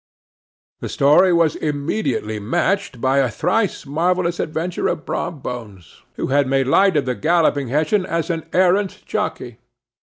This story was immediately matched by a thrice marvellous adventure of Brom Bones, who made light of the Galloping Hessian as an arrant jockey.